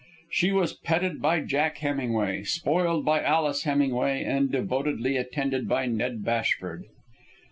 She was petted by Jack Hemingway, spoiled by Alice Hemingway, and devotedly attended by Ned Bashford.